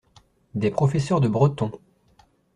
Des professeurs de breton.